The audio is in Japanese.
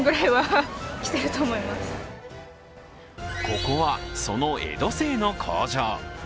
ここは、その江戸清の工場。